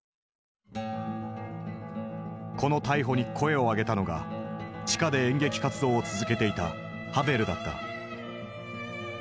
この逮捕に声を上げたのが地下で演劇活動を続けていたハヴェルだった。